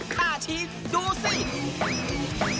ผ่าชี้ดูสิ